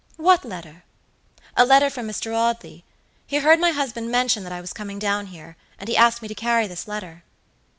"What letter?" "A letter from Mr. Audley. He heard my husband mention that I was coming down here, and he asked me to carry this letter."